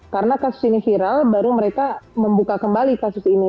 karena kasus ini viral baru mereka membuka kembali kasus ini